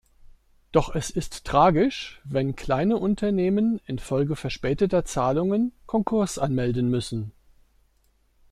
Doch es ist tragisch, wenn kleine Unternehmen infolge verspäteter Zahlungen Konkurs anmelden müssen.